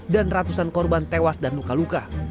dan ratusan korban tewas dan luka luka